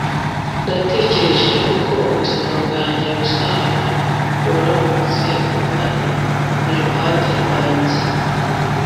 natekereje uko ubuzima bwanjye buzaba uramutse uhari iruhande rwanjye